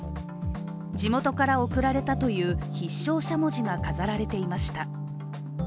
地元から贈られたという必勝しゃもじが飾られていました。